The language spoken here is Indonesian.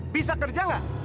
bisa kerja nggak